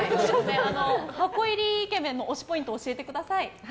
箱入りイケメンの推しポイントを教えてください。